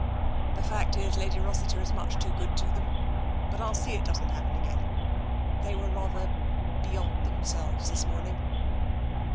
"The fact is, Lady Rossiter is much too good to them. But I'll see it doesn't happen again. They were rather beyond themselves this morning."